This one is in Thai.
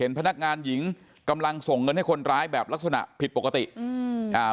พนักงานหญิงกำลังส่งเงินให้คนร้ายแบบลักษณะผิดปกติอืมอ่า